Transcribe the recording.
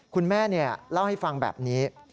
คุณแม่เล่าให้ฟังแบบนี้